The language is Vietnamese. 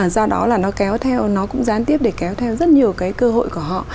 do đó là nó kéo theo nó cũng gián tiếp để kéo theo rất nhiều cái cơ hội của họ